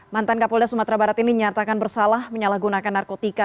mantan kapolda sumatera barat ini nyatakan bersalah menyalahgunakan narkotika